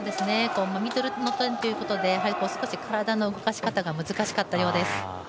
ミドルということで少し体の動かし方が難しかったようです。